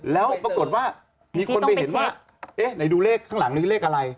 แล้วปรากฏว่ามีคนไปเห็นว่าเอ๊ะไหนดูเลขข้างหลังนี้เลขอะไร